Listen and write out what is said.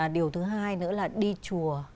điều thứ hai nữa là đi chùa